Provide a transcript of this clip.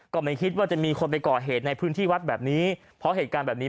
ก็ไม่คิดว่าจะมีคนไปก่อเหตุในพื้นที่วัดแบบนี้เพราะเหตุการณ์แบบนี้